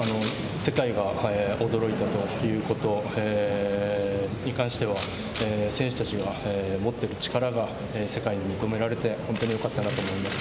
世界が驚いたということに関しては、選手たちが持ってる力が世界に認められて本当によかったなと思います。